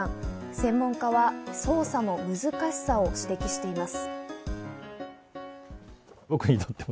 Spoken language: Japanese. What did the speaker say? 専門家は捜査の難しさを指摘しています。